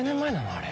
あれ。